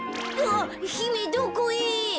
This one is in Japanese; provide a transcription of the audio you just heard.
うわっひめどこへ？